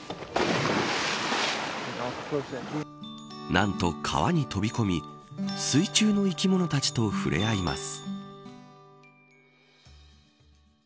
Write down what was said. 何と川に飛び込み水中の生き物たちと触れ合います。